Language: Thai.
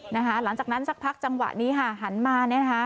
หลังจากนั้นสักพักจังหวะนี้ค่ะหันมาเนี่ยนะคะ